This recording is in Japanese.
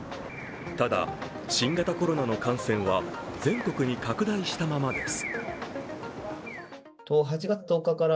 ただ、新型コロナの感染は全国に拡大したままです。